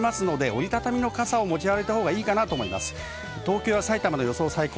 折り畳みの傘を持ち歩いたほうがいいかもしれません。